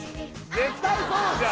絶対そうじゃん